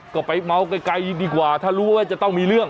ก็ไปเมาไกลดีกว่าถ้ารู้ว่าจะต้องมีเรื่อง